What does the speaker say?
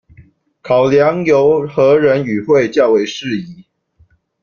考量由何人與會較為適宜